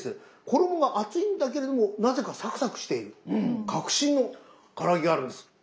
衣は厚いんだけれどもなぜかサクサクしている革新のから揚げがあるんです。